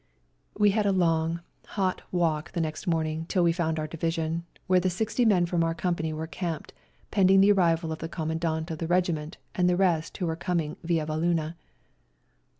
We had a long, hot walk the next morning till we found our own division, where the sixty men from our company were camped pending the arrival of the Commandant of the regiment and the rest who were coming via Vallona.